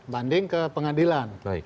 banding ke pengadilan